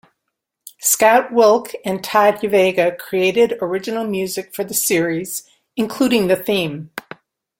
Scott Wilk and Todd Yvega created original music for the series, including the theme.